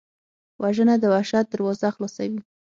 وژنه د وحشت دروازه خلاصوي